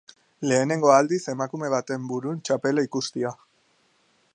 Lehenengo aldiz emakume baten burun txapela ikustia.